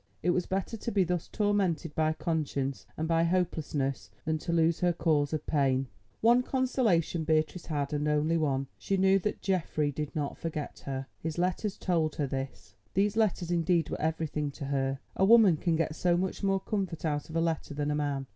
It was better to be thus tormented by conscience and by hopelessness than to lose her cause of pain. One consolation Beatrice had and one only: she knew that Geoffrey did not forget her. His letters told her this. These letters indeed were everything to her—a woman can get so much more comfort out of a letter than a man.